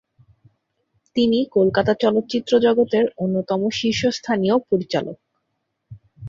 তিনি কলকাতা চলচ্চিত্র জগতের অন্যতম শীর্ষস্থানীয় পরিচালক।